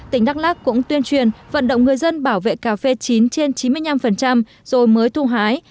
tỉnh đắk lắc cũng tuyên truyền vận động người dân bảo vệ cà phê chín trên chín mươi năm rồi mới thu hái